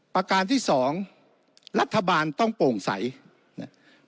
ประการที่สองรัฐบาลต้องโปร่งใสนะ